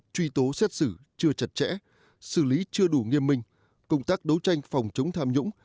truy tố xét xử chưa chặt chẽ xử lý chưa đủ nghiêm minh công tác đấu tranh phòng chống tham nhũng